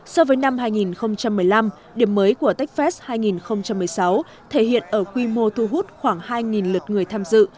so với năm hai nghìn một mươi năm điểm mới của techfest hai nghìn một mươi sáu thể hiện ở quy mô thu hút khoảng hai lượt người tham dự